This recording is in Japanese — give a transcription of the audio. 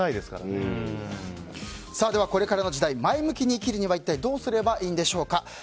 ではこれからの時代前向きに生きるには一体どうすればいいのでしょうか。